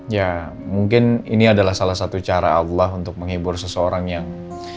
ya mungkin ini adalah salah satu cara allah untuk menghibur seseorang yang